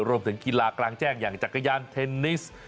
รวมถึงกีฬากลางแจ้งอย่างจักรยานเทนนิส